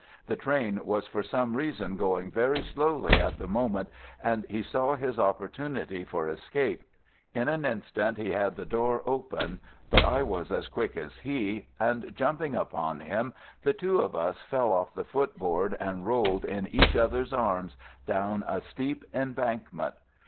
The train was for some reason going very slowly at the moment, and he saw his opportunity for escape. In an instant he had the door open, but I was as quick as he, and jumping upon him the two of us fell off the footboard and rolled in each other's arms down a steep embankment.